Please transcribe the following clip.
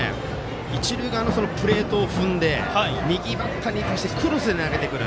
一塁側のプレートを踏んで右バッターに対してクロスで投げてくる。